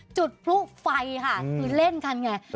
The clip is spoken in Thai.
จุดพลุไฟค่ะคือเล่นกันไง